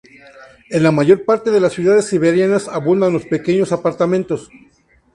En la mayor parte de las ciudades siberianas abundan los pequeños apartamentos.